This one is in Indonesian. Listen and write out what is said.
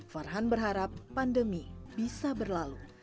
farhan berharap pandemi bisa berlalu